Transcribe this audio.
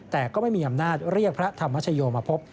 แต่ก็ไม่มีอำนาจเรียกพระธรรมชโยมาพบ